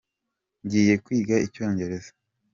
Ngiye kwiga icyongereza.